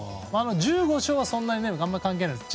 １５勝はそんなにあまり関係ないです。